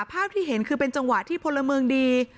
ภาพที่เห็นคือเป็นจังหวะที่พลเมืองดี